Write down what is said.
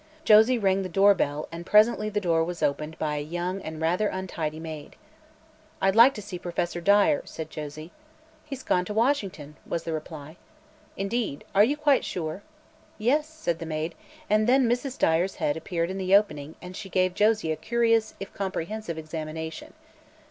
Josie rang the door bell and presently the door was opened by a young and rather untidy maid. "I'd like to see Professor Dyer," said Josie. "He's gone to Washington," was the reply. "Indeed! Are you quite sure?" "Yes," said the maid; and then Mrs. Dyer's head appeared in the opening and she gave Josie a curious if comprehensive examination.